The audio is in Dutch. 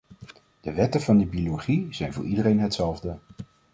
De wetten van de biologie zijn voor iedereen hetzelfde.